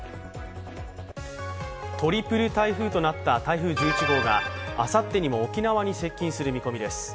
トリプル台風となった台風１１号があさってにも沖縄に接近する見込みです。